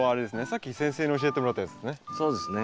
さっき先生に教えてもらったやつですね。